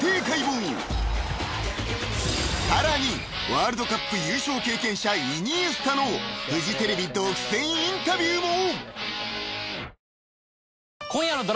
［さらにワールドカップ優勝経験者イニエスタのフジテレビ独占インタビューも］